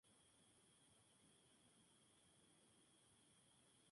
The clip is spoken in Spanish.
Se ignora hasta el momento la identidad y el paradero del infractor.